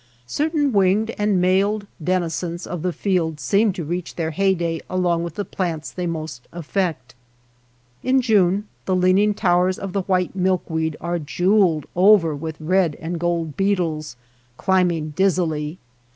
Certain winged and mailed denizens of the field seem to reach their heyday along with the plants they most affect. In June the leaning towers of the white milkweed are jeweled over with red and gold beetles, 136 V MY NEIGHBOR S FIELD climbing dizzily.